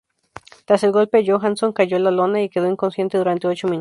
Tras el golpe Johansson cayó a la lona y quedó inconsciente durante ocho minutos.